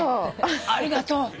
ありがとう。